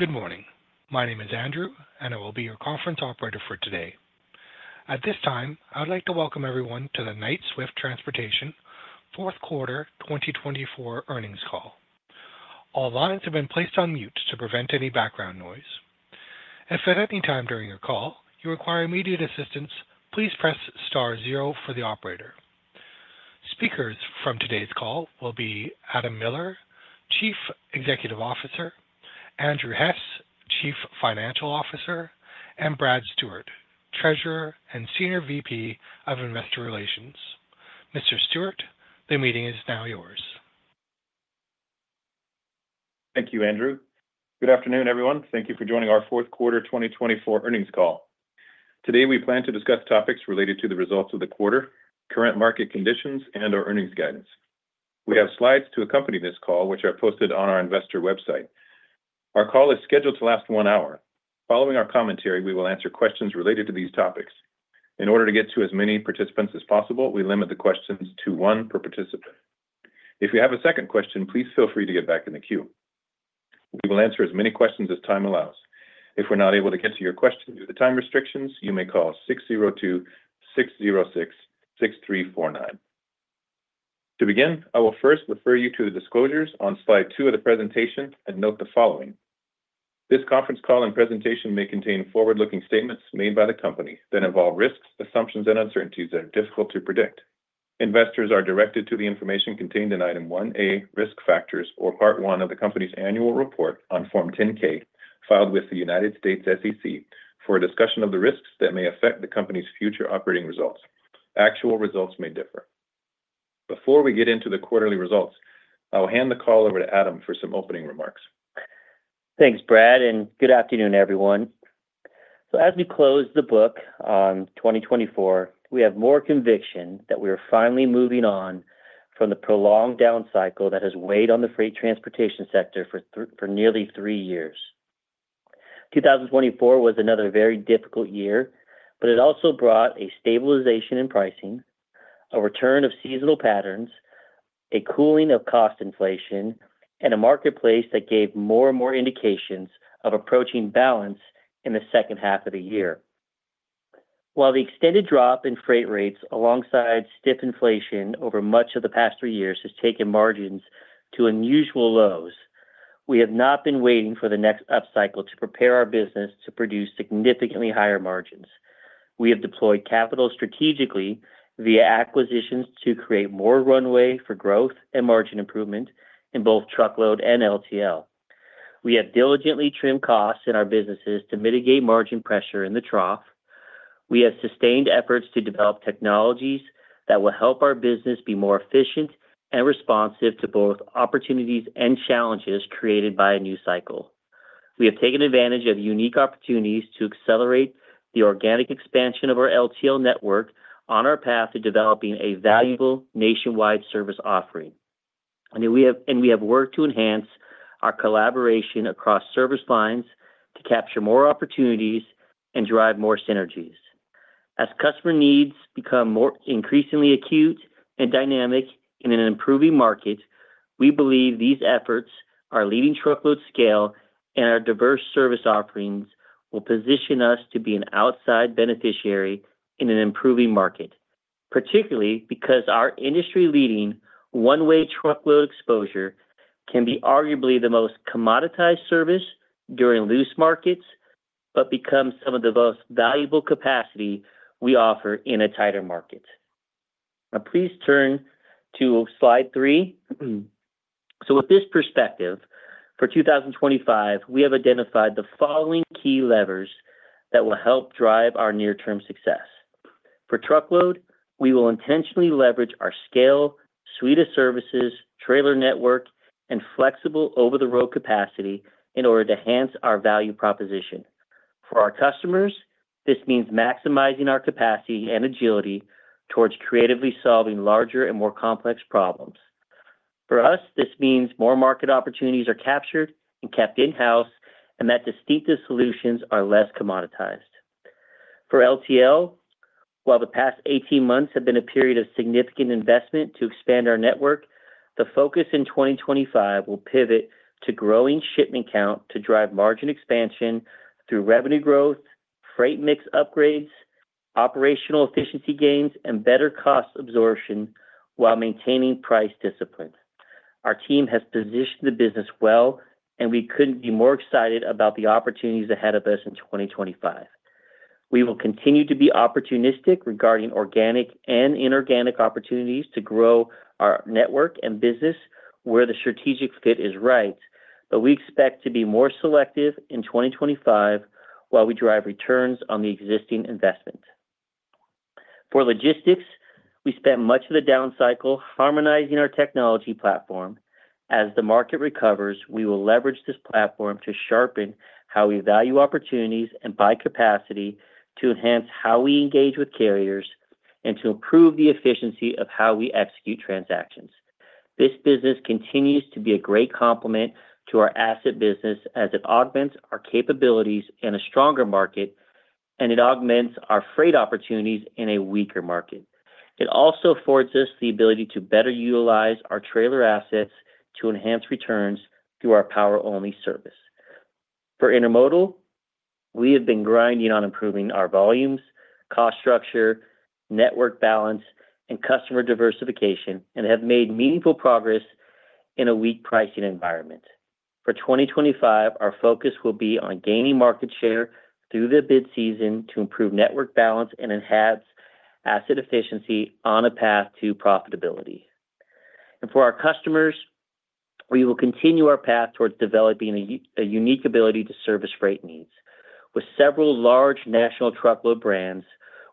Good morning. My name is Andrew, and I will be your conference operator for today. At this time, I would like to welcome everyone to the Knight-Swift Transportation fourth quarter 2024 earnings call. All lines have been placed on mute to prevent any background noise. If at any time during your call you require immediate assistance, please press star zero for the operator. Speakers from today's call will be Adam Miller, Chief Executive Officer, Andrew Hess, Chief Financial Officer, and Brad Stewart, Treasurer and Senior VP of Investor Relations. Mr. Stewart, the meeting is now yours. Thank you, Andrew. Good afternoon, everyone. Thank you for joining our fourth quarter 2024 earnings call. Today, we plan to discuss topics related to the results of the quarter, current market conditions, and our earnings guidance. We have slides to accompany this call, which are posted on our investor website. Our call is scheduled to last one hour. Following our commentary, we will answer questions related to these topics. In order to get to as many participants as possible, we limit the questions to one per participant. If you have a second question, please feel free to get back in the queue. We will answer as many questions as time allows. If we're not able to get to your question due to time restrictions, you may call 602-606-6349. To begin, I will first refer you to the disclosures on Slide 2 of the presentation and note the following. This conference call and presentation may contain forward-looking statements made by the company that involve risks, assumptions, and uncertainties that are difficult to predict. Investors are directed to the information contained in Item 1A, Risk Factors, or Part I of the company's annual report on Form 10-K filed with the U.S. SEC for a discussion of the risks that may affect the company's future operating results. Actual results may differ. Before we get into the quarterly results, I'll hand the call over to Adam for some opening remarks. Thanks, Brad, and good afternoon, everyone. So, as we close the book on 2024, we have more conviction that we are finally moving on from the prolonged down cycle that has weighed on the freight transportation sector for nearly three years. 2024 was another very difficult year, but it also brought a stabilization in pricing, a return of seasonal patterns, a cooling of cost inflation, and a marketplace that gave more and more indications of approaching balance in the second half of the year. While the extended drop in freight rates, alongside stiff inflation over much of the past three years, has taken margins to unusual lows, we have not been waiting for the next up cycle to prepare our business to produce significantly higher margins. We have deployed capital strategically via acquisitions to create more runway for growth and margin improvement in both truckload and LTL. We have diligently trimmed costs in our businesses to mitigate margin pressure in the trough. We have sustained efforts to develop technologies that will help our business be more efficient and responsive to both opportunities and challenges created by a new cycle. We have taken advantage of unique opportunities to accelerate the organic expansion of our LTL network on our path to developing a valuable nationwide service offering. And we have worked to enhance our collaboration across service lines to capture more opportunities and drive more synergies. As customer needs become more increasingly acute and dynamic in an improving market, we believe these efforts are leveraging truckload scale and our diverse service offerings will position us to be an outsized beneficiary in an improving market, particularly because our industry-leading one-way truckload exposure can be arguably the most commoditized service during loose markets, but becomes some of the most valuable capacity we offer in a tighter market. Now, please turn to Slide 3. So, with this perspective, for 2025, we have identified the following key levers that will help drive our near-term success. For truckload, we will intentionally leverage our scale, suite of services, trailer network, and flexible over-the-road capacity in order to enhance our value proposition. For our customers, this means maximizing our capacity and agility towards creatively solving larger and more complex problems. For us, this means more market opportunities are captured and kept in-house, and that distinctive solutions are less commoditized. For LTL, while the past 18 months have been a period of significant investment to expand our network, the focus in 2025 will pivot to growing shipment count to drive margin expansion through revenue growth, freight mix upgrades, operational efficiency gains, and better cost absorption while maintaining price discipline. Our team has positioned the business well, and we couldn't be more excited about the opportunities ahead of us in 2025. We will continue to be opportunistic regarding organic and inorganic opportunities to grow our network and business where the strategic fit is right, but we expect to be more selective in 2025 while we drive returns on the existing investment. For logistics, we spent much of the down cycle harmonizing our technology platform. As the market recovers, we will leverage this platform to sharpen how we value opportunities and buy capacity to enhance how we engage with carriers and to improve the efficiency of how we execute transactions. This business continues to be a great complement to our asset business as it augments our capabilities in a stronger market, and it augments our freight opportunities in a weaker market. It also affords us the ability to better utilize our trailer assets to enhance returns through our power-only service. For intermodal, we have been grinding on improving our volumes, cost structure, network balance, and customer diversification and have made meaningful progress in a weak pricing environment. For 2025, our focus will be on gaining market share through the bid season to improve network balance and enhance asset efficiency on a path to profitability. For our customers, we will continue our path towards developing a unique ability to service freight needs. With several large national truckload brands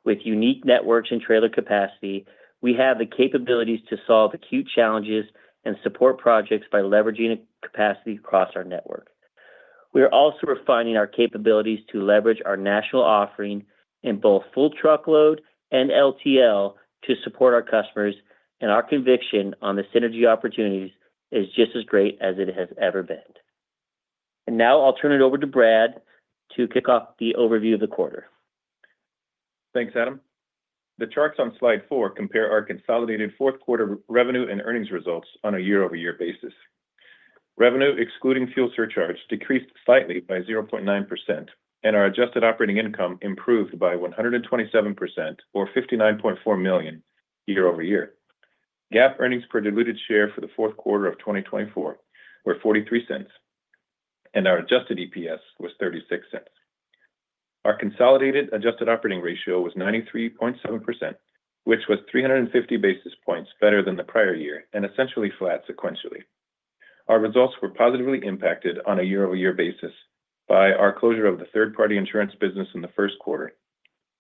with unique networks and trailer capacity, we have the capabilities to solve acute challenges and support projects by leveraging capacity across our network. We are also refining our capabilities to leverage our national offering in both full truckload and LTL to support our customers, and our conviction on the synergy opportunities is just as great as it has ever been. Now I'll turn it over to Brad to kick off the overview of the quarter. Thanks, Adam. The charts on Slide 4 compare our consolidated fourth quarter revenue and earnings results on a year-over-year basis. Revenue, excluding fuel surcharge, decreased slightly by 0.9%, and our adjusted operating income improved by 127%, or $59.4 million, year-over-year. GAAP earnings per diluted share for the fourth quarter of 2024 were $0.43, and our adjusted EPS was $0.36. Our consolidated adjusted operating ratio was 93.7%, which was 350 bps better than the prior year and essentially flat sequentially. Our results were positively impacted on a year-over-year basis by our closure of the third-party insurance business in the first quarter,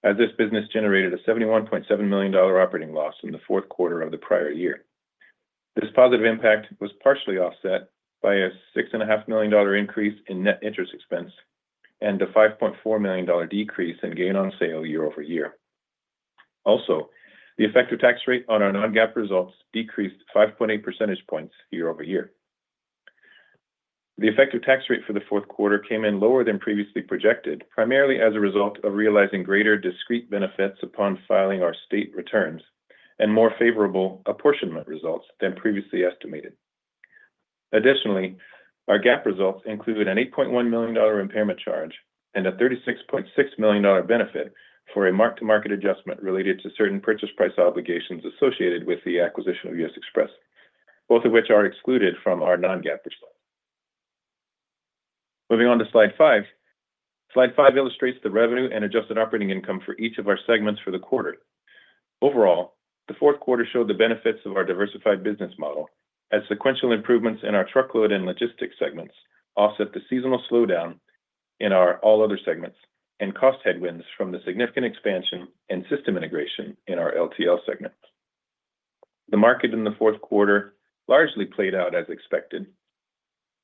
as this business generated a $71.7 million operating loss in the fourth quarter of the prior year. This positive impact was partially offset by a $6.5 million increase in net interest expense and a $5.4 million decrease in gain on sale year-over-year. Also, the effective tax rate on our non-GAAP results decreased 5.8 percentage points year-over-year. The effective tax rate for the fourth quarter came in lower than previously projected, primarily as a result of realizing greater discrete benefits upon filing our state returns and more favorable apportionment results than previously estimated. Additionally, our GAAP results included an $8.1 million impairment charge and a $36.6 million benefit for a mark-to-market adjustment related to certain purchase price obligations associated with the acquisition of U.S. Xpress, both of which are excluded from our non-GAAP results. Moving on to Slide 5. Slide 5 illustrates the revenue and adjusted operating income for each of our segments for the quarter. Overall, the fourth quarter showed the benefits of our diversified business model, as sequential improvements in our truckload and logistics segments offset the seasonal slowdown in our all-other segments and cost headwinds from the significant expansion and system integration in our LTL segment. The market in the fourth quarter largely played out as expected.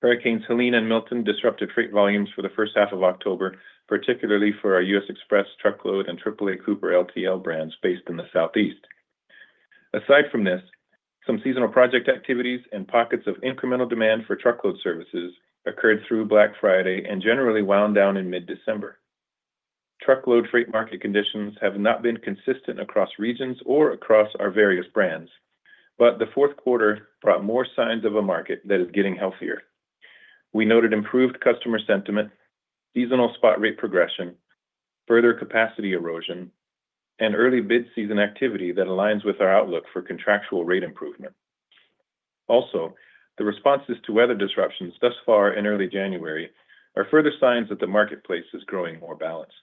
Hurricanes Helene and Milton disrupted freight volumes for the first half of October, particularly for our U.S. Xpress truckload, and AAA Cooper LTL brands based in the Southeast. Aside from this, some seasonal project activities and pockets of incremental demand for truckload services occurred through Black Friday and generally wound down in mid-December. Truckload freight market conditions have not been consistent across regions or across our various brands, but the fourth quarter brought more signs of a market that is getting healthier. We noted improved customer sentiment, seasonal spot rate progression, further capacity erosion, and early bid season activity that aligns with our outlook for contractual rate improvement. Also, the responses to weather disruptions thus far in early January are further signs that the marketplace is growing more balanced.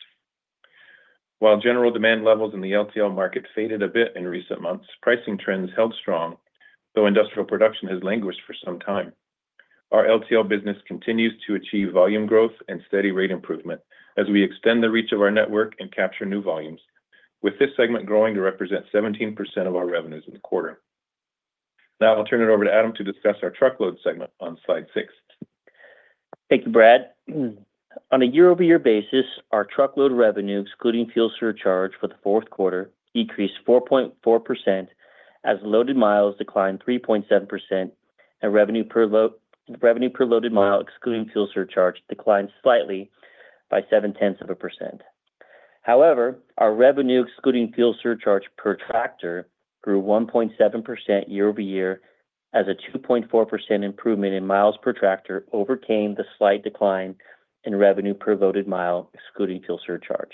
While general demand levels in the LTL market faded a bit in recent months, pricing trends held strong, though industrial production has languished for some time. Our LTL business continues to achieve volume growth and steady rate improvement as we extend the reach of our network and capture new volumes, with this segment growing to represent 17% of our revenues in the quarter. Now I'll turn it over to Adam to discuss our truckload segment on Slide 6. Thank you, Brad. On a year-over-year basis, our truckload revenue, excluding fuel surcharge for the fourth quarter, decreased 4.4% as loaded miles declined 3.7%, and revenue per loaded mile excluding fuel surcharge declined slightly by 0.7%. However, our revenue excluding fuel surcharge per tractor grew 1.7% year-over-year as a 2.4% improvement in miles per tractor overcame the slight decline in revenue per loaded mile excluding fuel surcharge.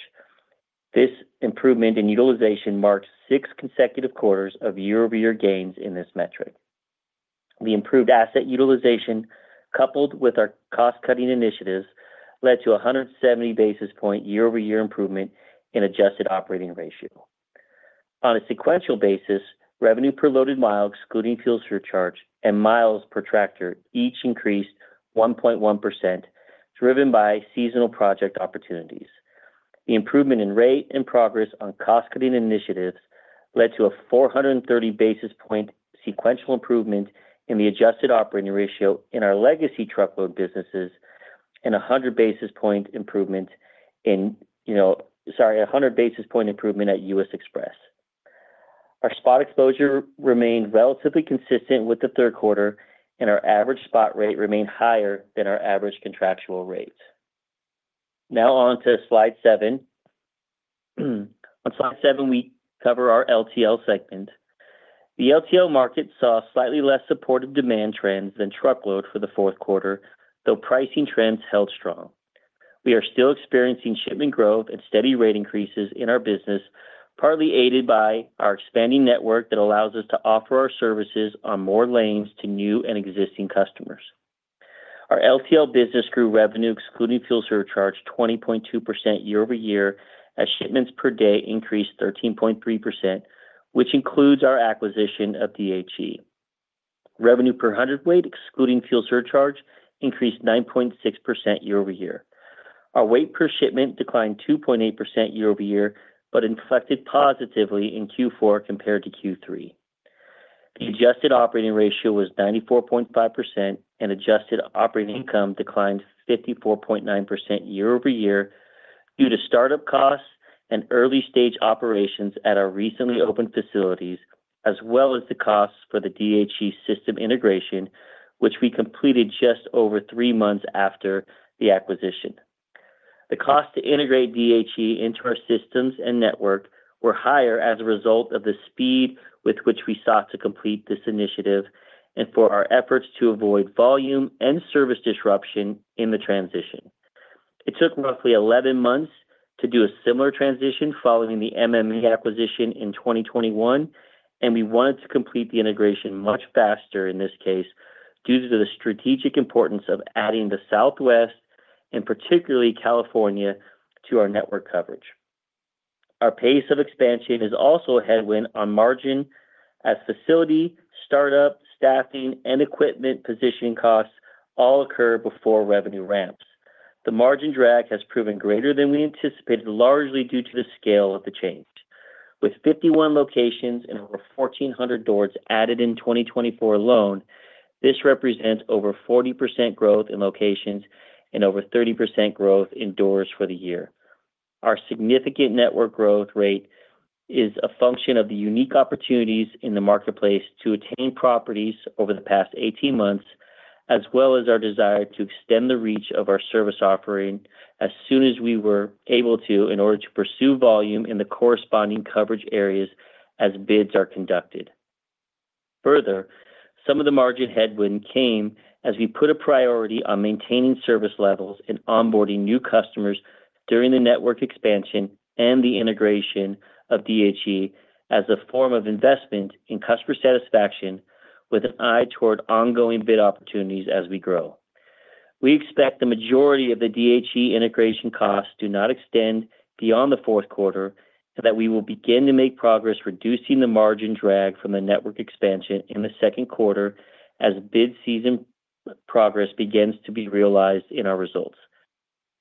This improvement in utilization marked six consecutive quarters of year-over-year gains in this metric. The improved asset utilization, coupled with our cost-cutting initiatives, led to a 170 bps year-over-year improvement in adjusted operating ratio. On a sequential basis, revenue per loaded mile excluding fuel surcharge and miles per tractor each increased 1.1%, driven by seasonal project opportunities. The improvement in rate and progress on cost-cutting initiatives led to a 430 bp sequential improvement in the adjusted operating ratio in our legacy truckload businesses and a 100 bp improvement, you know, sorry, at U.S. Xpress. Our spot exposure remained relatively consistent with the third quarter, and our average spot rate remained higher than our average contractual rate. Now on to Slide 7. On Slide 7, we cover our LTL segment. The LTL market saw slightly less supportive demand trends than truckload for the fourth quarter, though pricing trends held strong. We are still experiencing shipment growth and steady rate increases in our business, partly aided by our expanding network that allows us to offer our services on more lanes to new and existing customers. Our LTL business grew revenue excluding fuel surcharge 20.2% year-over-year as shipments per day increased 13.3%, which includes our acquisition of DHE. Revenue per hundredweight excluding fuel surcharge increased 9.6% year-over-year. Our weight per shipment declined 2.8% year-over-year, but inflected positively in Q4 compared to Q3. The adjusted operating ratio was 94.5%, and adjusted operating income declined 54.9% year-over-year due to startup costs and early-stage operations at our recently opened facilities, as well as the costs for the DHE system integration, which we completed just over three months after the acquisition. The cost to integrate DHE into our systems and network were higher as a result of the speed with which we sought to complete this initiative and for our efforts to avoid volume and service disruption in the transition. It took roughly 11 months to do a similar transition following the MME acquisition in 2021, and we wanted to complete the integration much faster in this case due to the strategic importance of adding the Southwest, and particularly California, to our network coverage. Our pace of expansion is also a headwind on margin as facility, startup, staffing, and equipment positioning costs all occur before revenue ramps. The margin drag has proven greater than we anticipated, largely due to the scale of the change. With 51 locations and over 1,400 doors added in 2024 alone, this represents over 40% growth in locations and over 30% growth in doors for the year. Our significant network growth rate is a function of the unique opportunities in the marketplace to attain properties over the past 18 months, as well as our desire to extend the reach of our service offering as soon as we were able to in order to pursue volume in the corresponding coverage areas as bids are conducted. Further, some of the margin headwind came as we put a priority on maintaining service levels and onboarding new customers during the network expansion and the integration of DHE as a form of investment in customer satisfaction with an eye toward ongoing bid opportunities as we grow. We expect the majority of the DHE integration costs do not extend beyond the fourth quarter and that we will begin to make progress reducing the margin drag from the network expansion in the second quarter as bid season progress begins to be realized in our results.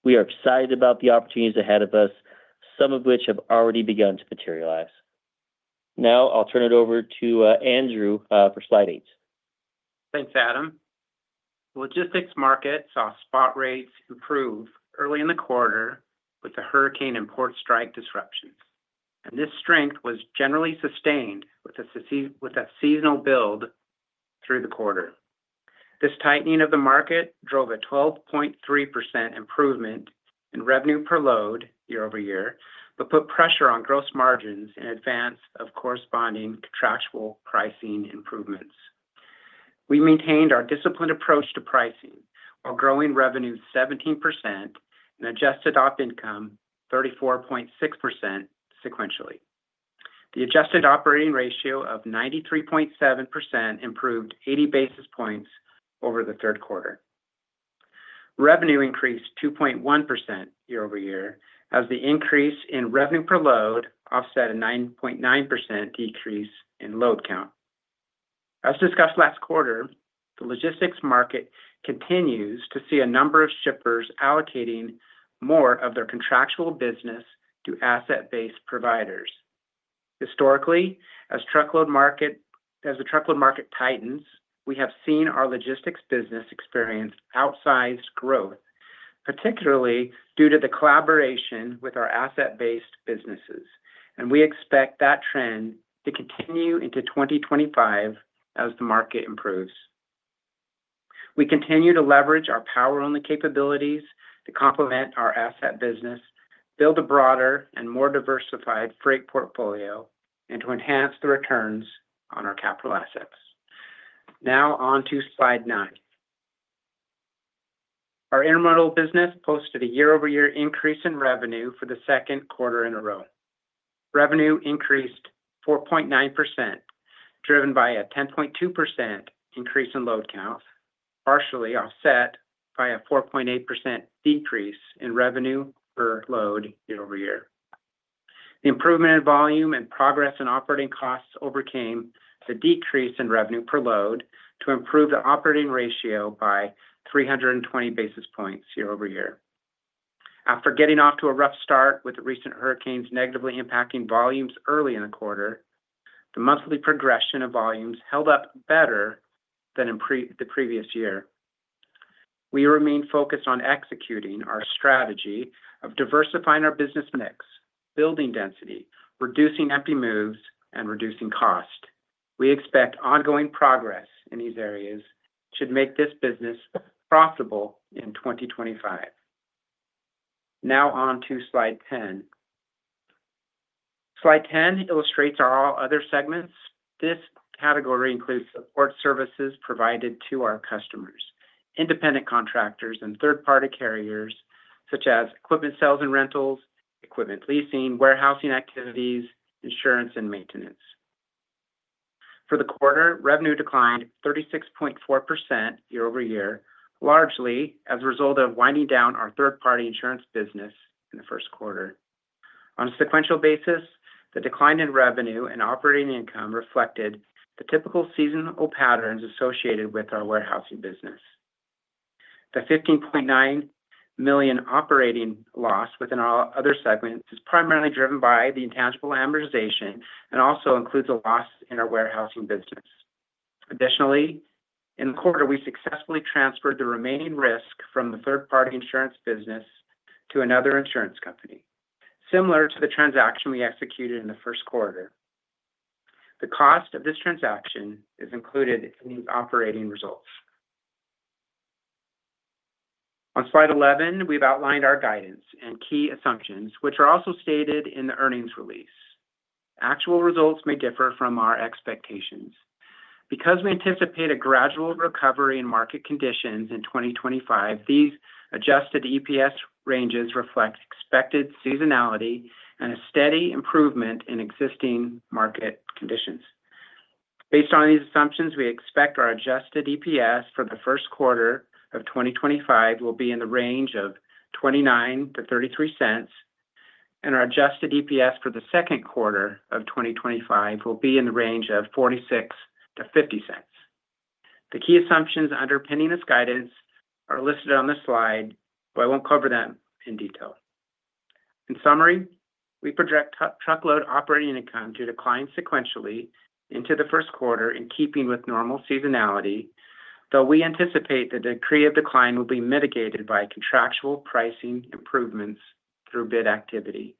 We are excited about the opportunities ahead of us, some of which have already begun to materialize. Now I'll turn it over to Andrew for Slide 8. Thanks, Adam. Logistics market saw spot rates improve early in the quarter with the hurricane and port strike disruptions, and this strength was generally sustained with a seasonal build through the quarter. This tightening of the market drove a 12.3% improvement in revenue per load year-over-year, but put pressure on gross margins in advance of corresponding contractual pricing improvements. We maintained our disciplined approach to pricing while growing revenue 17% and adjusted op income 34.6% sequentially. The adjusted operating ratio of 93.7% improved 80 bps over the third quarter. Revenue increased 2.1% year-over-year as the increase in revenue per load offset a 9.9% decrease in load count. As discussed last quarter, the logistics market continues to see a number of shippers allocating more of their contractual business to asset-based providers. Historically, as the truckload market tightens, we have seen our logistics business experience outsized growth, particularly due to the collaboration with our asset-based businesses. We expect that trend to continue into 2025 as the market improves. We continue to leverage our power-only capabilities to complement our asset business, build a broader and more diversified freight portfolio, and to enhance the returns on our capital assets. Now on to Slide 9. Our intermodal business posted a year-over-year increase in revenue for the second quarter in a row. Revenue increased 4.9%, driven by a 10.2% increase in load counts, partially offset by a 4.8% decrease in revenue per load year-over-year. The improvement in volume and progress in operating costs overcame the decrease in revenue per load to improve the operating ratio by 320 bps year-over-year. After getting off to a rough start with the recent hurricanes negatively impacting volumes early in the quarter, the monthly progression of volumes held up better than the previous year. We remain focused on executing our strategy of diversifying our business mix, building density, reducing empty moves, and reducing cost. We expect ongoing progress in these areas should make this business profitable in 2025. Now on to Slide 10. Slide 10 illustrates our all-other segments. This category includes support services provided to our customers, independent contractors, and third-party carriers such as equipment sales and rentals, equipment leasing, warehousing activities, insurance, and maintenance. For the quarter, revenue declined 36.4% year-over-year, largely as a result of winding down our third-party insurance business in the first quarter. On a sequential basis, the decline in revenue and operating income reflected the typical seasonal patterns associated with our warehousing business. The $15.9 million operating loss within our all-other segment is primarily driven by the intangible amortization and also includes a loss in our warehousing business. Additionally, in the quarter, we successfully transferred the remaining risk from the third-party insurance business to another insurance company, similar to the transaction we executed in the first quarter. The cost of this transaction is included in these operating results. On Slide 11, we've outlined our guidance and key assumptions, which are also stated in the earnings release. Actual results may differ from our expectations. Because we anticipate a gradual recovery in market conditions in 2025, these adjusted EPS ranges reflect expected seasonality and a steady improvement in existing market conditions. Based on these assumptions, we expect our adjusted EPS for the first quarter of 2025 will be in the range of $0.29-$0.33, and our adjusted EPS for the second quarter of 2025 will be in the range of $0.46-$0.50. The key assumptions underpinning this guidance are listed on the slide, but I won't cover them in detail. In summary, we project truckload operating income to decline sequentially into the first quarter in keeping with normal seasonality, though we anticipate the degree of decline will be mitigated by contractual pricing improvements through bid activity.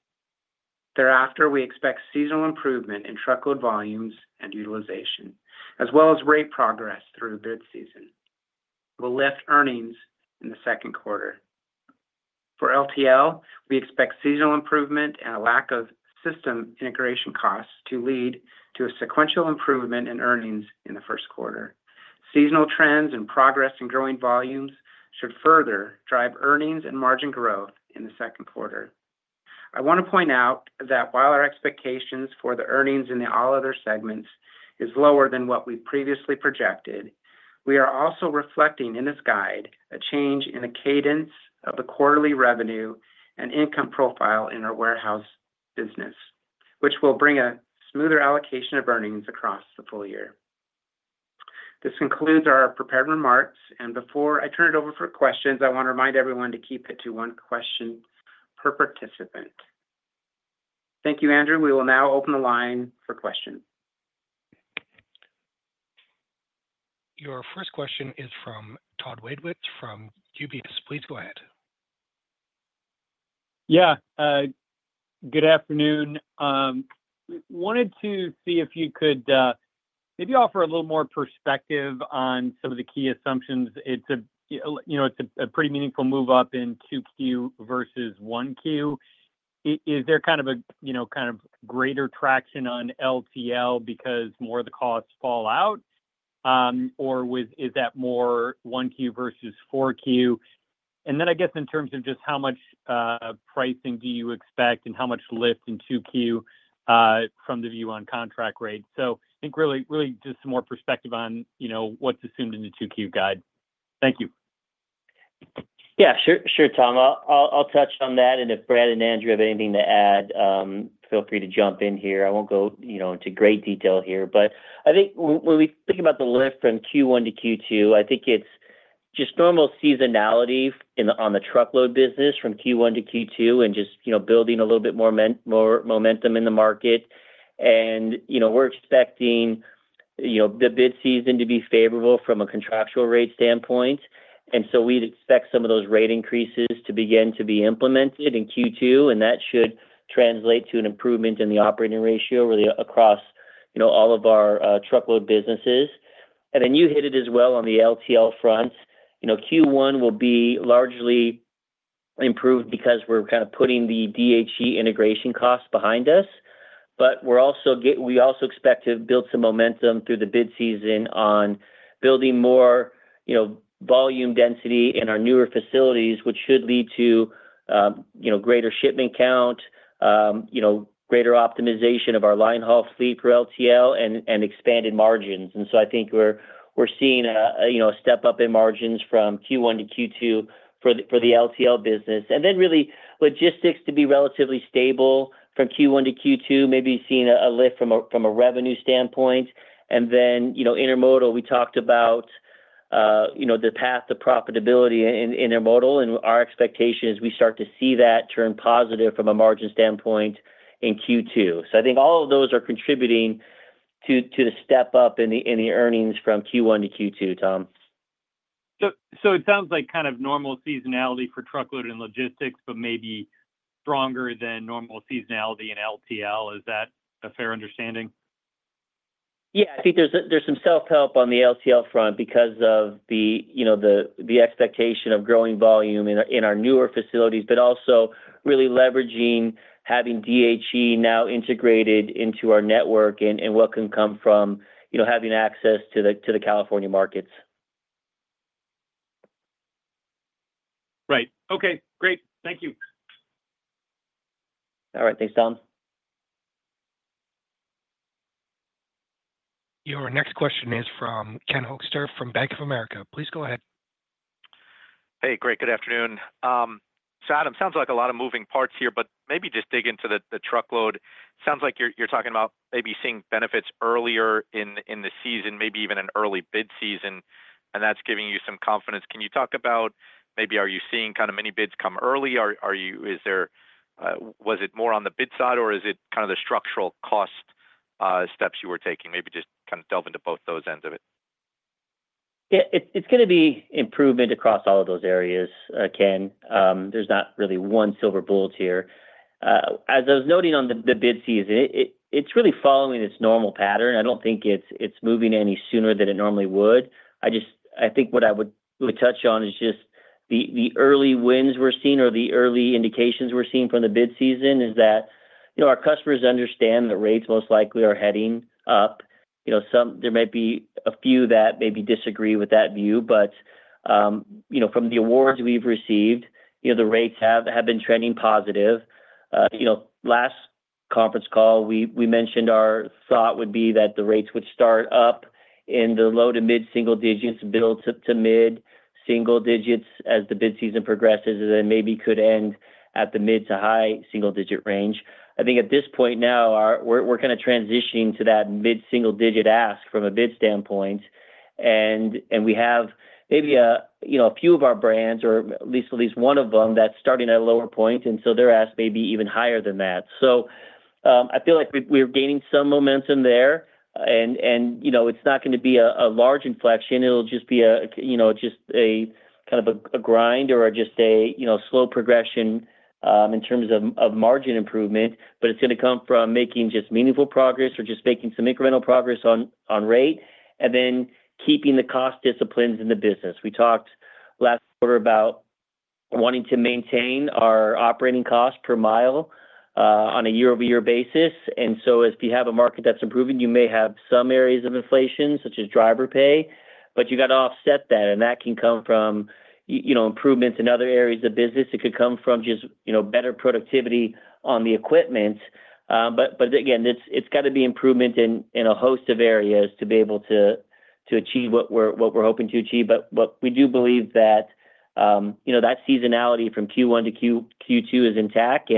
Thereafter, we expect seasonal improvement in truckload volumes and utilization, as well as rate progress through bid season. That'll lift earnings in the second quarter. For LTL, we expect seasonal improvement and a lack of system integration costs to lead to a sequential improvement in earnings in the first quarter. Seasonal trends and progress in growing volumes should further drive earnings and margin growth in the second quarter. I want to point out that while our expectations for the earnings in the all other segments is lower than what we previously projected, we are also reflecting in this guide a change in the cadence of the quarterly revenue and income profile in our warehouse business, which will bring a smoother allocation of earnings across the full year. This concludes our prepared remarks. And before I turn it over for questions, I want to remind everyone to keep it to one question per participant. Thank you, Andrew. We will now open the line for questions. Your first question is from Thomas Wadewitz from UBS. Please go ahead. Yeah. Good afternoon. Wanted to see if you could maybe offer a little more perspective on some of the key assumptions. It's a, you know, it's a pretty meaningful move up in 2Q versus 1Q. Is there kind of a, you know, kind of greater traction on LTL because more of the costs fall out? Or is that more 1Q versus 4Q? And then I guess in terms of just how much pricing do you expect and how much lift in 2Q from the view on contract rate? So I think really, really just some more perspective on, you know, what's assumed in the 2Q guide. Thank you. Yeah, sure, sure, Tom. I'll touch on that. And if Brad and Andrew have anything to add, feel free to jump in here. I won't go, you know, into great detail here. But I think when we think about the lift from Q1 to Q2, I think it's just normal seasonality on the truckload business from Q1 to Q2 and just, you know, building a little bit more momentum in the market. And, you know, we're expecting, you know, the bid season to be favorable from a contractual rate standpoint. And so we'd expect some of those rate increases to begin to be implemented in Q2, and that should translate to an improvement in the operating ratio really across, you know, all of our truckload businesses. And then you hit it as well on the LTL front. You know, Q1 will be largely improved because we're kind of putting the DHE integration costs behind us. But we're also, we also expect to build some momentum through the bid season on building more, you know, volume density in our newer facilities, which should lead to, you know, greater shipment count, you know, greater optimization of our linehaul fleet for LTL and expanded margins. And so I think we're seeing a, you know, a step up in margins from Q1 to Q2 for the LTL business. And then really logistics to be relatively stable from Q1 to Q2, maybe seeing a lift from a revenue standpoint. And then, you know, intermodal, we talked about, you know, the path to profitability in intermodal. And our expectation is we start to see that turn positive from a margin standpoint in Q2. So I think all of those are contributing to the step up in the earnings from Q1 to Q2, Tom. So it sounds like kind of normal seasonality for truckload and logistics, but maybe stronger than normal seasonality in LTL. Is that a fair understanding? Yeah. I think there's some self-help on the LTL front because of the, you know, the expectation of growing volume in our newer facilities, but also really leveraging having DHE now integrated into our network and what can come from, you know, having access to the California markets. Right. Okay. Great. Thank you. All right. Thanks, Tom. Your next question is from Ken Hoexter from Bank of America. Please go ahead. Hey, great. Good afternoon. So, Adam, it sounds like a lot of moving parts here, but maybe just dig into the truckload. Sounds like you're talking about maybe seeing benefits earlier in the season, maybe even an early bid season, and that's giving you some confidence. Can you talk about maybe are you seeing kind of many bids come early? Is there, was it more on the bid side, or is it kind of the structural cost steps you were taking? Maybe just kind of delve into both those ends of it. Yeah. It's going to be improvement across all of those areas, Ken. There's not really one silver bullet here. As I was noting on the bid season, it's really following its normal pattern. I don't think it's moving any sooner than it normally would. I just—I think what I would touch on is just the early wins we're seeing or the early indications we're seeing from the bid season is that, you know, our customers understand that rates most likely are heading up. You know, there might be a few that maybe disagree with that view, but, you know, from the awards we've received, you know, the rates have been trending positive. You know, last conference call, we mentioned our thought would be that the rates would start up in the low to mid single digits, build to mid single digits as the bid season progresses, and then maybe could end at the mid to high single digit range. I think at this point now, we're kind of transitioning to that mid single digit ask from a bid standpoint. And we have maybe a, you know, a few of our brands, or at least one of them, that's starting at a lower point, and so their ask may be even higher than that. So I feel like we're gaining some momentum there. And, you know, it's not going to be a large inflection. It'll just be a, you know, just a kind of a grind or just a, you know, slow progression in terms of margin improvement, but it's going to come from making just meaningful progress or just making some incremental progress on rate, and then keeping the cost disciplines in the business. We talked last quarter about wanting to maintain our operating cost per mile on a year-over-year basis, and so if you have a market that's improving, you may have some areas of inflation, such as driver pay, but you got to offset that, and that can come from, you know, improvements in other areas of business. It could come from just, you know, better productivity on the equipment. But again, it's got to be improvement in a host of areas to be able to achieve what we're hoping to achieve. But we do believe that, you know, that seasonality from Q1 to Q2 is intact,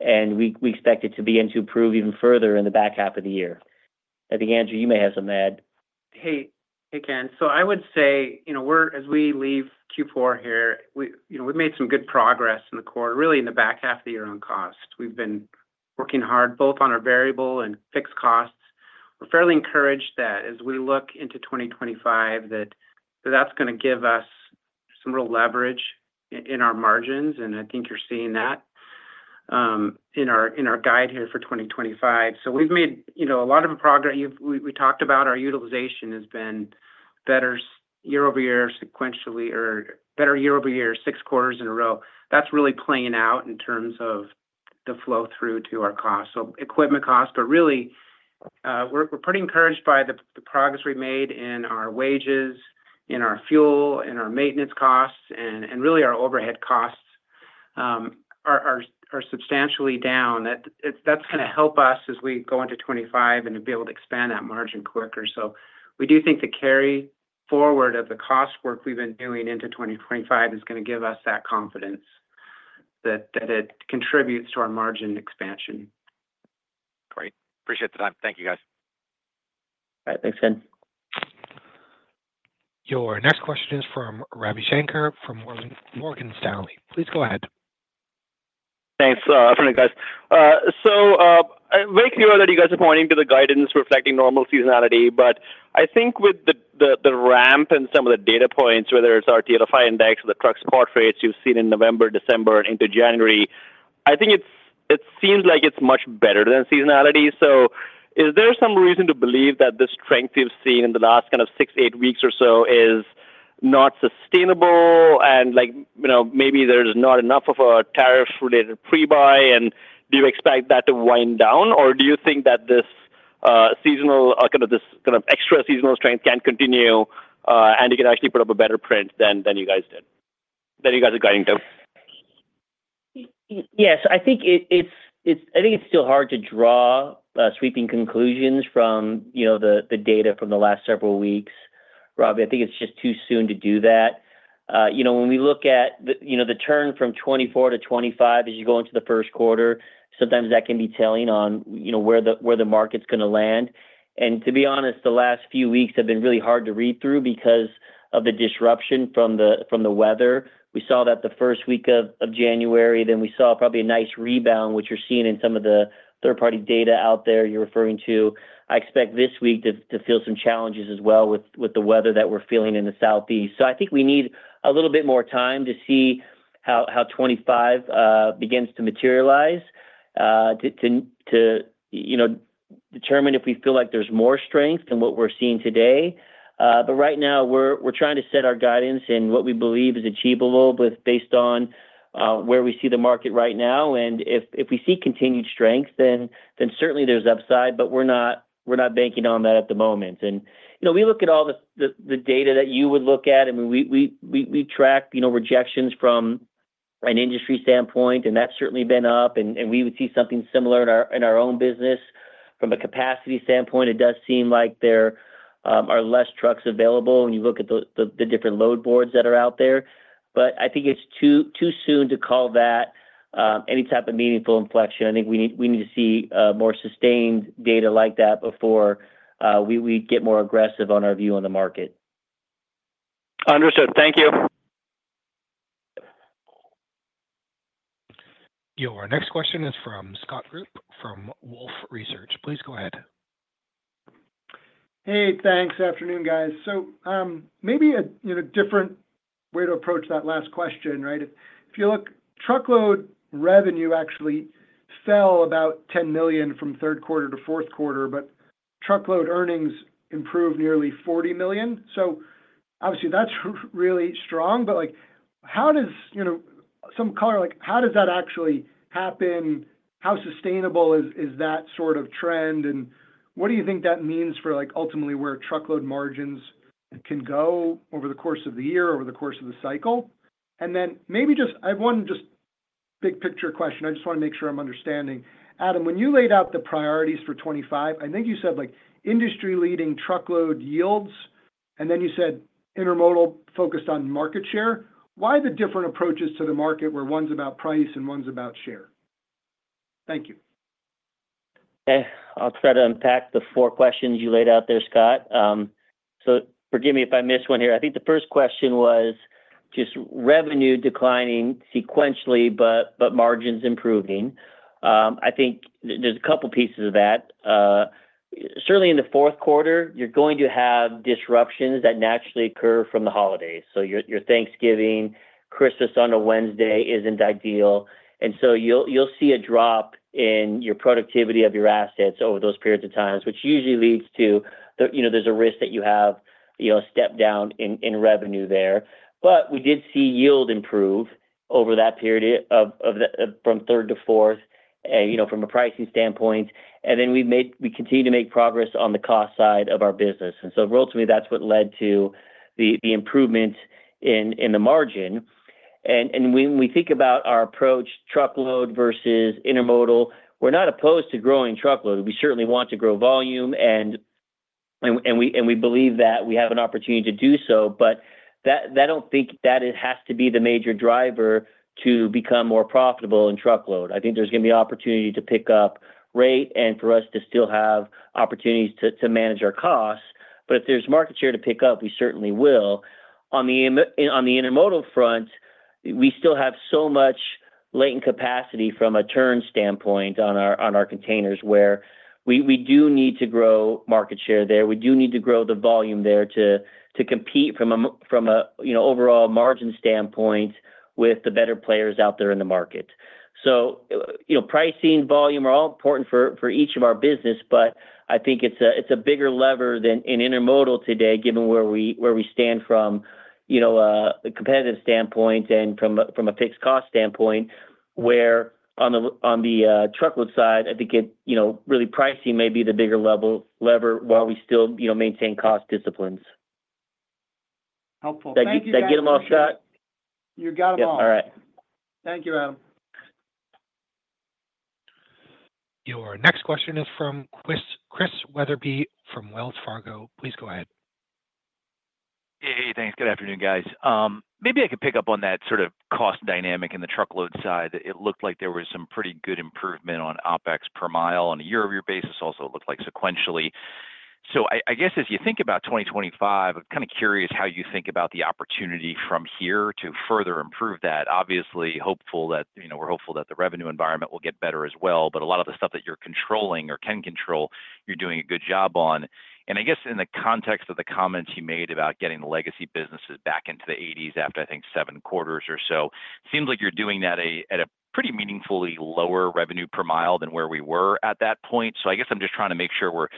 and we expect it to begin to improve even further in the back half of the year. I think, Andrew, you may have something to add. Hey, Ken. So I would say, you know, as we leave Q4 here, you know, we've made some good progress in the quarter, really in the back half of the year on cost. We've been working hard both on our variable and fixed costs. We're fairly encouraged that as we look into 2025, that that's going to give us some real leverage in our margins. And I think you're seeing that in our guide here for 2025. So we've made, you know, a lot of progress. We talked about our utilization has been better year-over-year sequentially, or better year-over-year six quarters in a row. That's really playing out in terms of the flow through to our cost, so equipment cost. But really, we're pretty encouraged by the progress we've made in our wages, in our fuel, in our maintenance costs, and really our overhead costs are substantially down. That's going to help us as we go into 2025 and be able to expand that margin quicker. So we do think the carry forward of the cost work we've been doing into 2025 is going to give us that confidence that it contributes to our margin expansion. Great. Appreciate the time. Thank you, guys. All right. Thanks, Ken. Your next question is from Ravi Shankar from Morgan Stanley. Please go ahead. Thanks. Good afternoon, guys. So I'm very clear that you guys are pointing to the guidance reflecting normal seasonality, but I think with the ramp and some of the data points, whether it's our TLFI Index or the spot rates you've seen in November, December, and into January, I think it seems like it's much better than seasonality. So is there some reason to believe that the strength you've seen in the last kind of six, eight weeks or so is not sustainable? And like, you know, maybe there's not enough of a tariff-related prebuy, and do you expect that to wind down? Or do you think that this seasonal, kind of this kind of extra seasonal strength can continue and you can actually put up a better print than you guys did, than you guys are guiding to? Yes. I think it's still hard to draw sweeping conclusions from, you know, the data from the last several weeks. Rob, I think it's just too soon to do that. You know, when we look at, you know, the turn from 2024 to 2025 as you go into the first quarter, sometimes that can be telling on, you know, where the market's going to land, and to be honest, the last few weeks have been really hard to read through because of the disruption from the weather. We saw that the first week of January, then we saw probably a nice rebound, which you're seeing in some of the third-party data out there you're referring to. I expect this week to feel some challenges as well with the weather that we're feeling in the Southeast. I think we need a little bit more time to see how 2025 begins to materialize, to, you know, determine if we feel like there's more strength than what we're seeing today. But right now, we're trying to set our guidance and what we believe is achievable based on where we see the market right now. And if we see continued strength, then certainly there's upside, but we're not banking on that at the moment. And, you know, we look at all the data that you would look at, and we track, you know, rejections from an industry standpoint, and that's certainly been up. And we would see something similar in our own business. From a capacity standpoint, it does seem like there are less trucks available when you look at the different load boards that are out there. But I think it's too soon to call that any type of meaningful inflection. I think we need to see more sustained data like that before we get more aggressive on our view on the market. Understood. Thank you. Your next question is from Scott Group from Wolfe Research. Please go ahead. Hey, thanks. Afternoon, guys. So maybe a, you know, different way to approach that last question, right? If you look, truckload revenue actually fell about $10 million from third quarter to fourth quarter, but truckload earnings improved nearly $40 million. So obviously, that's really strong. But like, how does, you know, some color like, how does that actually happen? How sustainable is that sort of trend? And what do you think that means for, like, ultimately where truckload margins can go over the course of the year, over the course of the cycle? And then maybe just, I have one just big picture question. I just want to make sure I'm understanding. Adam, when you laid out the priorities for 2025, I think you said like industry-leading truckload yields, and then you said intermodal focused on market share. Why the different approaches to the market where one's about price and one's about share? Thank you. I'll try to unpack the four questions you laid out there, Scott. So forgive me if I missed one here. I think the first question was just revenue declining sequentially, but margins improving. I think there's a couple pieces of that. Certainly in the fourth quarter, you're going to have disruptions that naturally occur from the holidays. So your Thanksgiving, Christmas on a Wednesday isn't ideal. And so you'll see a drop in your productivity of your assets over those periods of time, which usually leads to, you know, there's a risk that you have, you know, a step down in revenue there. But we did see yield improve over that period of from third to fourth, you know, from a pricing standpoint. And then we continued to make progress on the cost side of our business. And so ultimately, that's what led to the improvement in the margin. When we think about our approach, truckload versus intermodal, we're not opposed to growing truckload. We certainly want to grow volume, and we believe that we have an opportunity to do so. But I don't think that it has to be the major driver to become more profitable in truckload. I think there's going to be opportunity to pick up rate and for us to still have opportunities to manage our costs. But if there's market share to pick up, we certainly will. On the intermodal front, we still have so much latent capacity from a turn standpoint on our containers where we do need to grow market share there. We do need to grow the volume there to compete from a, you know, overall margin standpoint with the better players out there in the market. So, you know, pricing, volume are all important for each of our business, but I think it's a bigger lever than in intermodal today, given where we stand from, you know, a competitive standpoint and from a fixed cost standpoint, where on the truckload side, I think, you know, really pricing may be the bigger lever while we still, you know, maintain cost disciplines. Helpful. Thank you, Ken. Did I get them all, Scott? You got them all. Yep. All right. Thank you, Adam. Your next question is from Chris Wetherbee from Wells Fargo. Please go ahead. Hey, hey, thanks. Good afternoon, guys. Maybe I could pick up on that sort of cost dynamic in the truckload side. It looked like there was some pretty good improvement on OpEx per mile on a year-over-year basis. Also, it looked like sequentially. So I guess as you think about 2025, I'm kind of curious how you think about the opportunity from here to further improve that. Obviously, hopeful that, you know, we're hopeful that the revenue environment will get better as well, but a lot of the stuff that you're controlling or can control, you're doing a good job on. And I guess in the context of the comments you made about getting the legacy businesses back into the '80s after, I think, seven quarters or so, it seems like you're doing that at a pretty meaningfully lower revenue per mile than where we were at that point. So I guess I'm just trying to make sure we're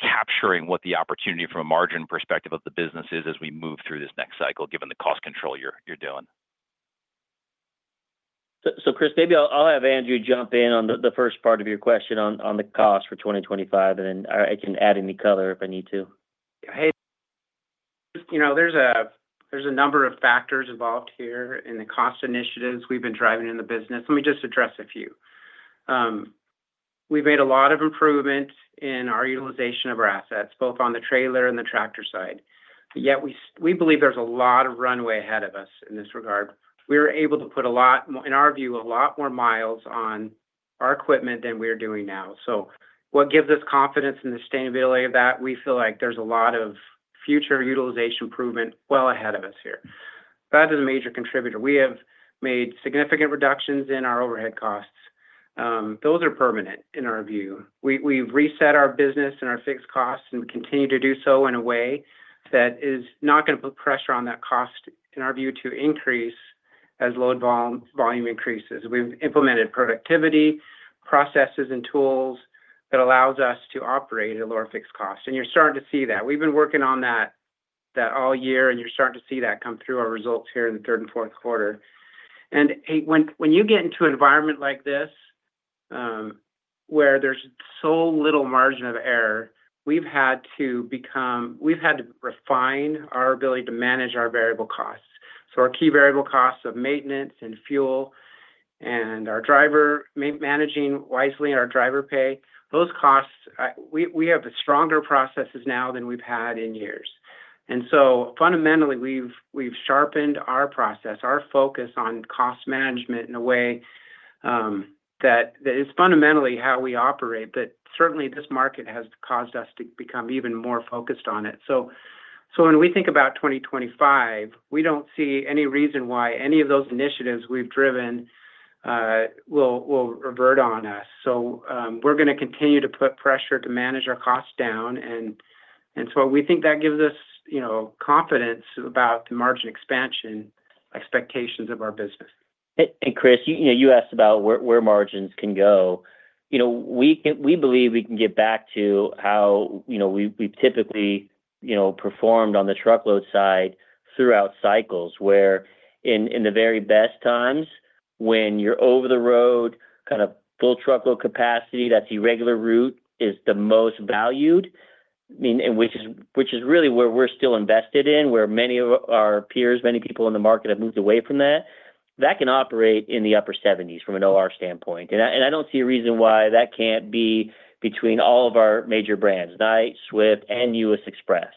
capturing what the opportunity from a margin perspective of the business is as we move through this next cycle, given the cost control you're doing. So Chris, maybe I'll have Andrew jump in on the first part of your question on the cost for 2025, and then I can add any color if I need to. Hey, you know, there's a number of factors involved here in the cost initiatives we've been driving in the business. Let me just address a few. We've made a lot of improvement in our utilization of our assets, both on the trailer and the tractor side. Yet we believe there's a lot of runway ahead of us in this regard. We were able to put a lot, in our view, a lot more miles on our equipment than we're doing now. So what gives us confidence in the sustainability of that, we feel like there's a lot of future utilization improvement well ahead of us here. That is a major contributor. We have made significant reductions in our overhead costs. Those are permanent in our view. We've reset our business and our fixed costs and continue to do so in a way that is not going to put pressure on that cost, in our view, to increase as load volume increases. We've implemented productivity processes and tools that allow us to operate at a lower fixed cost. And you're starting to see that. We've been working on that all year, and you're starting to see that come through our results here in the third and fourth quarter. And when you get into an environment like this where there's so little margin of error, we've had to become, we've had to refine our ability to manage our variable costs. So our key variable costs of maintenance and fuel and our driver managing wisely our driver pay, those costs, we have stronger processes now than we've had in years. And so fundamentally, we've sharpened our process, our focus on cost management in a way that is fundamentally how we operate. But certainly, this market has caused us to become even more focused on it. So when we think about 2025, we don't see any reason why any of those initiatives we've driven will revert on us. So we're going to continue to put pressure to manage our costs down. And so we think that gives us, you know, confidence about the margin expansion expectations of our business. And Chris, you know, you asked about where margins can go. You know, we believe we can get back to how, you know, we've typically, you know, performed on the truckload side throughout cycles where in the very best times, when you're over the road, kind of full truckload capacity, that's irregular route is the most valued, I mean, which is really where we're still invested in, where many of our peers, many people in the market have moved away from that, that can operate in the upper 70s from an OR standpoint. And I don't see a reason why that can't be between all of our major brands, Knight, Swift, and U.S. Xpress.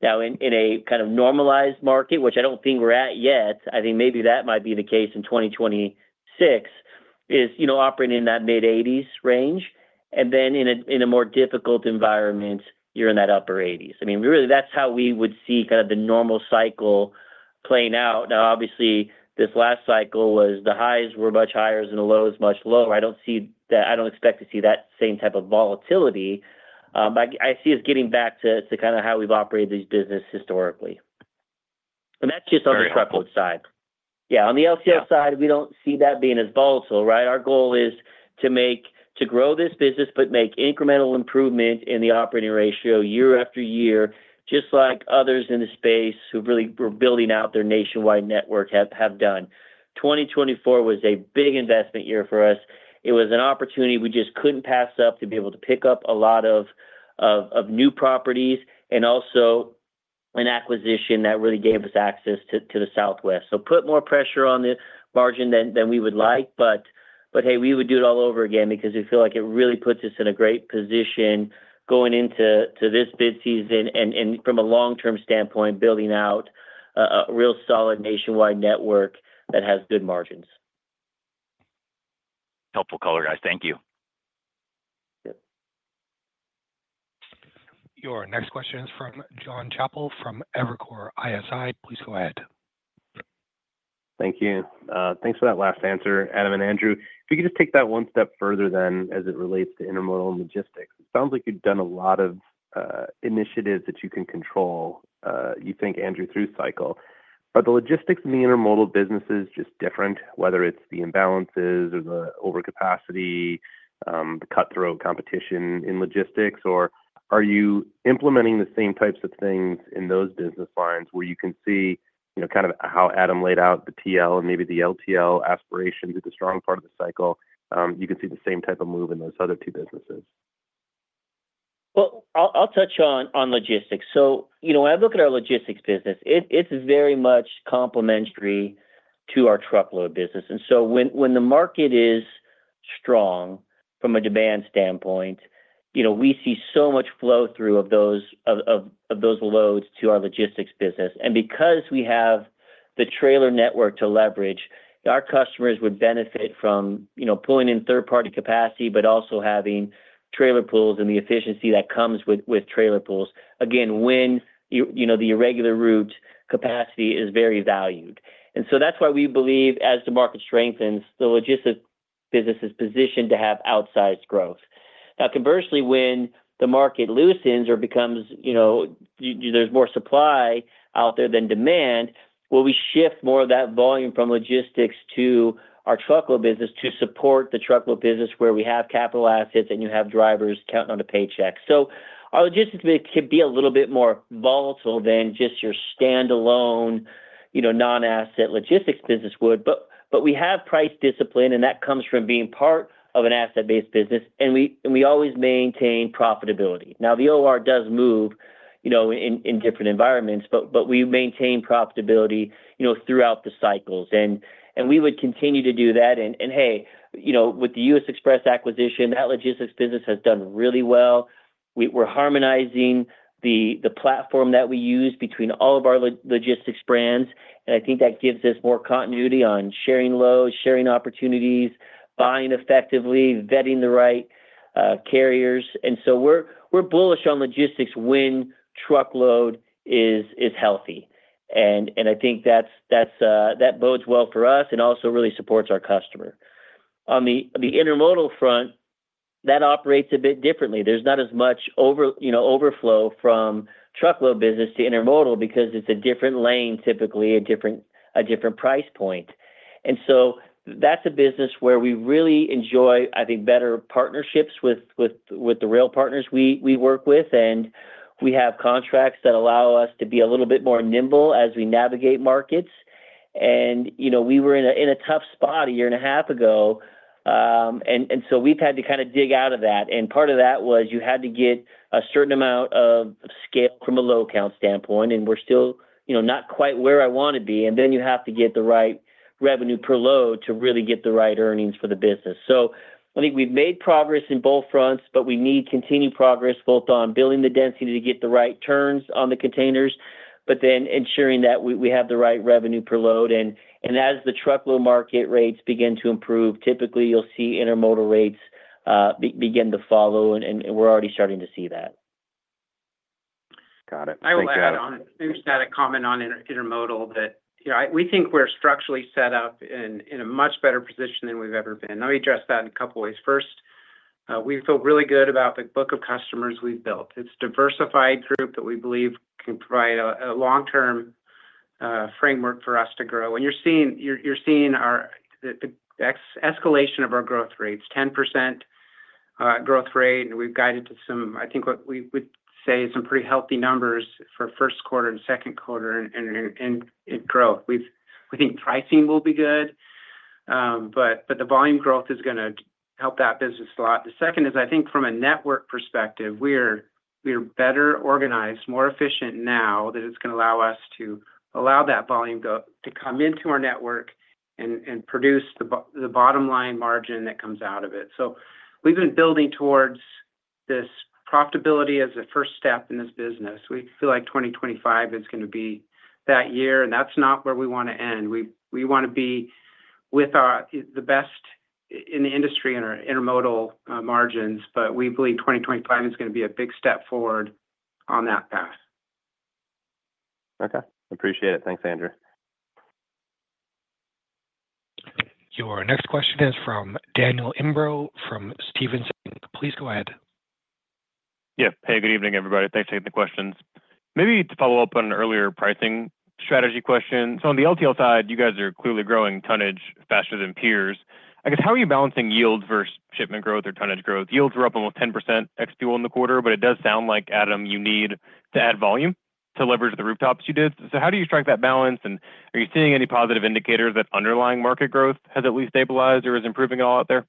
Now, in a kind of normalized market, which I don't think we're at yet, I think maybe that might be the case in 2026, is, you know, operating in that mid-80s range. And then in a more difficult environment, you're in that upper 80s. I mean, really, that's how we would see kind of the normal cycle playing out. Now, obviously, this last cycle was the highs were much higher and the lows much lower. I don't see that. I don't expect to see that same type of volatility. I see us getting back to kind of how we've operated these businesses historically. And that's just on the truckload side. Yeah. On the LTL side, we don't see that being as volatile, right? Our goal is to grow this business, but make incremental improvement in the operating ratio year after year, just like others in the space who really were building out their nationwide network have done. 2024 was a big investment year for us. It was an opportunity we just couldn't pass up to be able to pick up a lot of new properties and also an acquisition that really gave us access to the Southwest. So put more pressure on the margin than we would like. But hey, we would do it all over again because we feel like it really puts us in a great position going into this bid season and from a long-term standpoint, building out a real solid nationwide network that has good margins. Helpful color, guys. Thank you. Yep. Your next question is from Jon Chappell from Evercore ISI. Please go ahead. Thank you. Thanks for that last answer, Adam and Andrew. If you could just take that one step further then as it relates to intermodal and logistics. It sounds like you've done a lot of initiatives that you can control, you think, Andrew, through cycle. Are the logistics in the intermodal businesses just different, whether it's the imbalances or the overcapacity, the cutthroat competition in logistics, or are you implementing the same types of things in those business lines where you can see, you know, kind of how Adam laid out the TL and maybe the LTL aspirations at the strong part of the cycle, you can see the same type of move in those other two businesses? Well, I'll touch on logistics. So, you know, when I look at our logistics business, it's very much complementary to our truckload business. And so when the market is strong from a demand standpoint, you know, we see so much flow-through of those loads to our logistics business. And because we have the trailer network to leverage, our customers would benefit from, you know, pulling in third-party capacity, but also having trailer pools and the efficiency that comes with trailer pools. Again, when, you know, the irregular route capacity is very valued. And so that's why we believe as the market strengthens, the logistics business is positioned to have outsized growth. Now, conversely, when the market loosens or becomes, you know, there's more supply out there than demand. Well, we shift more of that volume from logistics to our truckload business to support the truckload business where we have capital assets and you have drivers counting on a paycheck. So our logistics could be a little bit more volatile than just your standalone, you know, non-asset logistics business would. But we have price discipline, and that comes from being part of an asset-based business. And we always maintain profitability. Now, the OR does move, you know, in different environments, but we maintain profitability, you know, throughout the cycles. And we would continue to do that. And hey, you know, with the U.S. Xpress acquisition, that logistics business has done really well. We're harmonizing the platform that we use between all of our logistics brands. I think that gives us more continuity on sharing loads, sharing opportunities, buying effectively, vetting the right carriers. So we're bullish on logistics when truckload is healthy. I think that bodes well for us and also really supports our customer. On the intermodal front, that operates a bit differently. There's not as much, you know, overflow from truckload business to intermodal because it's a different lane, typically a different price point. So that's a business where we really enjoy, I think, better partnerships with the rail partners we work with. We have contracts that allow us to be a little bit more nimble as we navigate markets. You know, we were in a tough spot a year and a half ago. So we've had to kind of dig out of that. And part of that was you had to get a certain amount of scale from a load count standpoint. And we're still, you know, not quite where I want to be. And then you have to get the right revenue per load to really get the right earnings for the business. So I think we've made progress in both fronts, but we need continued progress both on building the density to get the right turns on the containers, but then ensuring that we have the right revenue per load. And as the truckload market rates begin to improve, typically you'll see intermodal rates begin to follow. And we're already starting to see that. Got it. Thanks, Adam. I would like to add on. I think just add a comment on intermodal that, you know, we think we're structurally set up in a much better position than we've ever been. Let me address that in a couple of ways. First, we feel really good about the book of customers we've built. It's a diversified group that we believe can provide a long-term framework for us to grow. And you're seeing the escalation of our growth rates, 10% growth rate. And we've guided to some, I think what we would say is some pretty healthy numbers for first quarter and second quarter in growth. We think pricing will be good, but the volume growth is going to help that business a lot. The second is, I think from a network perspective, we're better organized, more efficient now that it's going to allow us to allow that volume to come into our network and produce the bottom line margin that comes out of it. So we've been building towards this profitability as a first step in this business. We feel like 2025 is going to be that year. And that's not where we want to end. We want to be with the best in the industry in our intermodal margins, but we believe 2025 is going to be a big step forward on that path. Okay. Appreciate it. Thanks, Andrew. Your next question is from Daniel Imbro from Stephens Inc. Please go ahead. Yeah. Hey, good evening, everybody. Thanks for taking the questions. Maybe to follow up on an earlier pricing strategy question. So on the LTL side, you guys are clearly growing tonnage faster than peers. I guess, how are you balancing yields versus shipment growth or tonnage growth? Yields were up almost 10% ex-fuel in the quarter, but it does sound like, Adam, you need to add volume to leverage the rooftops you did. So how do you strike that balance? And are you seeing any positive indicators that underlying market growth has at least stabilized or is improving at all out there?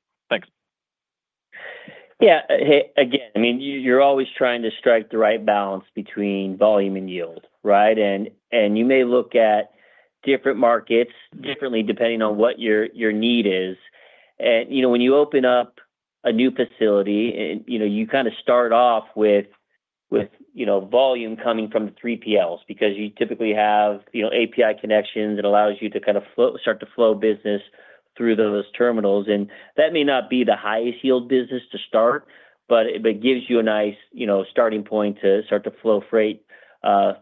Thanks. Yeah. Again, I mean, you're always trying to strike the right balance between volume and yield, right? And you may look at different markets differently depending on what your need is. And, you know, when you open up a new facility, you kind of start off with, you know, volume coming from the 3PLs because you typically have, you know, API connections that allows you to kind of start to flow business through those terminals. And that may not be the highest yield business to start, but it gives you a nice, you know, starting point to start to flow freight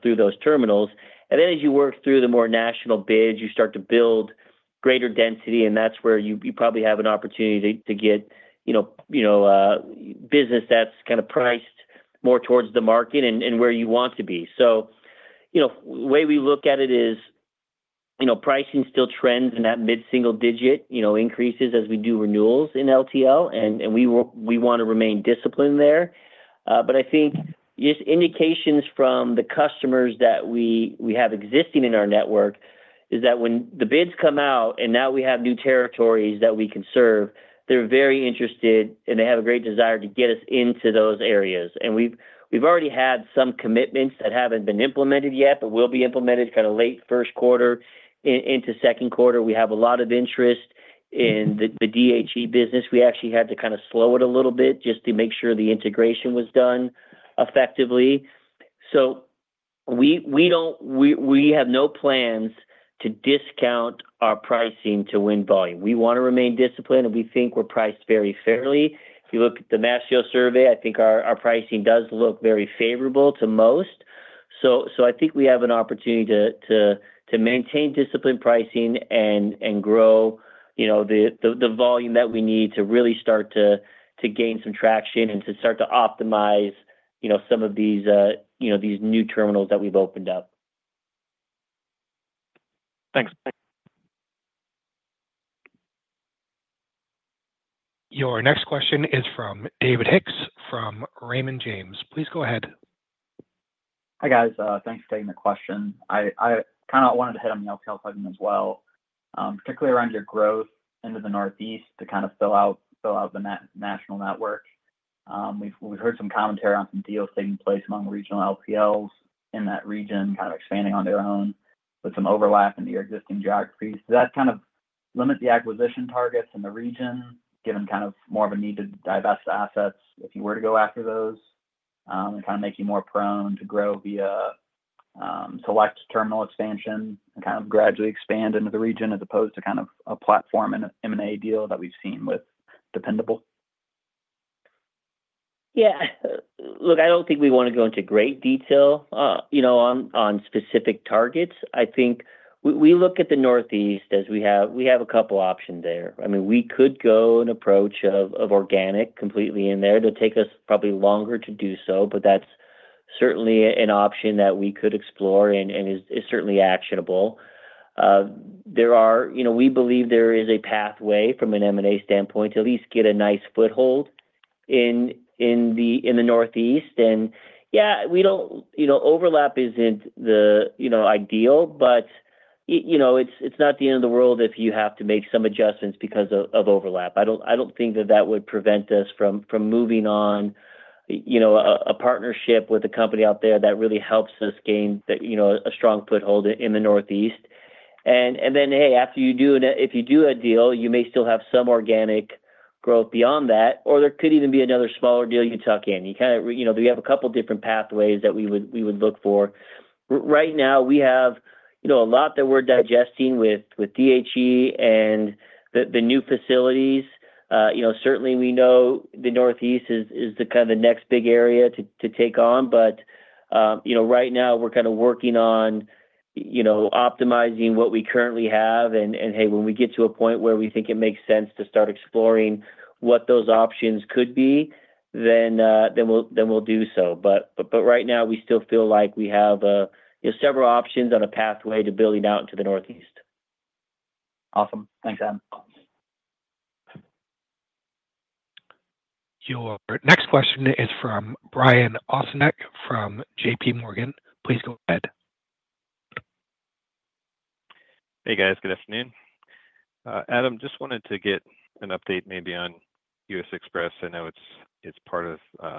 through those terminals. And then as you work through the more national bids, you start to build greater density. And that's where you probably have an opportunity to get, you know, business that's kind of priced more towards the market and where you want to be. So, you know, the way we look at it is, you know, pricing still trends in that mid-single digit, you know, increases as we do renewals in LTL. And we want to remain disciplined there. But I think just indications from the customers that we have existing in our network is that when the bids come out and now we have new territories that we can serve, they're very interested and they have a great desire to get us into those areas. And we've already had some commitments that haven't been implemented yet, but will be implemented kind of late first quarter into second quarter. We have a lot of interest in the DHE business. We actually had to kind of slow it a little bit just to make sure the integration was done effectively. So we have no plans to discount our pricing to win volume. We want to remain disciplined, and we think we're priced very fairly. If you look at the Mastio survey, I think our pricing does look very favorable to most. So I think we have an opportunity to maintain disciplined pricing and grow, you know, the volume that we need to really start to gain some traction and to start to optimize, you know, some of these, you know, these new terminals that we've opened up. Thanks. Your next question is from David Hicks from Raymond James. Please go ahead. Hi guys. Thanks for taking the question. I kind of wanted to hit on the LTL segment as well, particularly around your growth into the Northeast to kind of fill out the national network. We've heard some commentary on some deals taking place among regional LTLs in that region, kind of expanding on their own with some overlap into your existing geographies. Does that kind of limit the acquisition targets in the region, given kind of more of a need to divest assets if you were to go after those and kind of make you more prone to grow via select terminal expansion and kind of gradually expand into the region as opposed to kind of a platform and M&A deal that we've seen with Dependable? Yeah. Look, I don't think we want to go into great detail, you know, on specific targets. I think we look at the Northeast as we have a couple of options there. I mean, we could go an approach of organic completely in there. It'll take us probably longer to do so, but that's certainly an option that we could explore and is certainly actionable. There are, you know, we believe there is a pathway from an M&A standpoint to at least get a nice foothold in the Northeast. And yeah, we don't, you know, overlap isn't the, you know, ideal, but, you know, it's not the end of the world if you have to make some adjustments because of overlap. I don't think that that would prevent us from moving on, you know, a partnership with a company out there that really helps us gain a strong foothold in the Northeast, and then, hey, after you do, if you do a deal, you may still have some organic growth beyond that, or there could even be another smaller deal you tuck in. You kind of, you know, we have a couple of different pathways that we would look for. Right now, we have, you know, a lot that we're digesting with DHE and the new facilities. You know, certainly we know the Northeast is kind of the next big area to take on, but, you know, right now, we're kind of working on, you know, optimizing what we currently have. Hey, when we get to a point where we think it makes sense to start exploring what those options could be, then we'll do so. Right now, we still feel like we have several options on a pathway to building out into the Northeast. Awesome. Thanks, Adam. Your next question is from Brian Ossenbeck from J.P. Morgan. Please go ahead. Hey, guys. Good afternoon. Adam, just wanted to get an update maybe on U.S. Xpress. I know it's part of.